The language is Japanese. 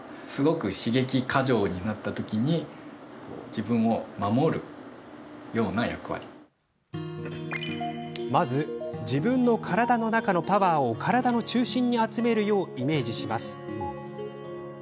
対処法、２つ目まず、自分の体の中のパワーを体の中心に集めるようイメージします。